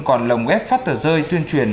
còn lồng ghép phát tờ rơi tuyên truyền